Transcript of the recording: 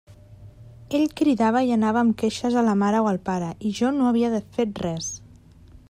Ell cridava i anava amb queixes a la mare o al pare, i jo no havia fet res.